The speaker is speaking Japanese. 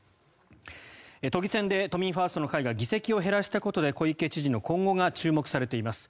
都議選で都民ファーストの会が議席を減らしたことで小池知事の今後が注目されています。